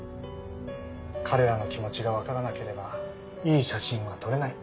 彼らの気持ちがわからなければいい写真は撮れない。